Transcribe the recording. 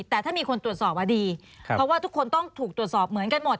แต่ถ้ามีคนตรวจสอบว่าดีเพราะว่าทุกคนต้องถูกตรวจสอบเหมือนกันหมด